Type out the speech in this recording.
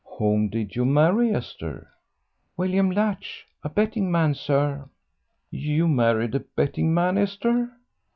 "Whom did you marry, Esther?" "William Latch, a betting man, sir." "You married a betting man, Esther?